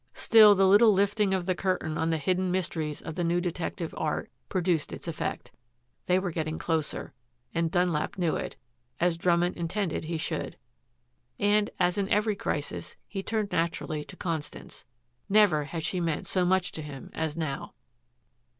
Still the little lifting of the curtain on the hidden mysteries of the new detective art produced its effect. They were getting closer, and Dunlap knew it, as Drummond intended he should. And, as in every crisis, he turned naturally to Constance. Never had she meant so much to him as now.